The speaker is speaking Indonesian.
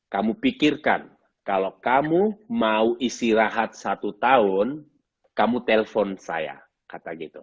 kamu pikirkan kalau kamu mau istirahat satu tahun kamu telepon saya